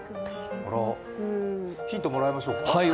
ヒントもらいましょうか。